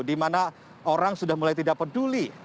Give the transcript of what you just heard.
dimana orang sudah mulai tidak peduli